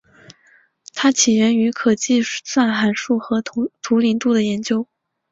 它起源于可计算函数和图灵度的研究。